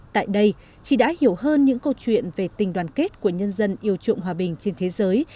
tại đây chị đã hiểu hơn những câu chuyện về tình đoàn kết của nhân dân yêu trụng hòa bình trên thế giới